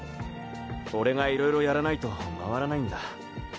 俺がいろいろやらないと回らないんだ。